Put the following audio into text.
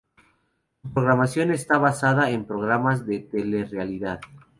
Su programación está basada en programas de telerrealidad.